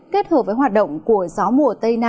kết hợp với hoạt động của gió mùa tây nam